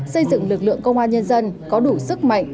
xây dựng lực lượng công an nhân dân có đủ sức mạnh